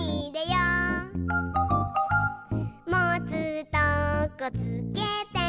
「もつとこつけて」